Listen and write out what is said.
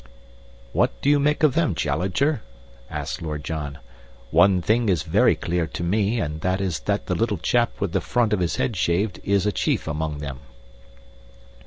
"What do you make of them, Challenger?" asked Lord John. "One thing is very clear to me, and that is that the little chap with the front of his head shaved is a chief among them."